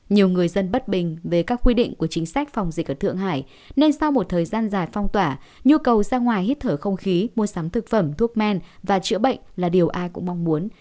nhiều người dân bất bình về các quy định của chính sách phòng dịch ở thượng hải nên sau một thời gian dài phong tỏa nhu cầu ra ngoài hít thở không khí mua sắm thực phẩm thuốc men và chữa bệnh là điều ai cũng mong muốn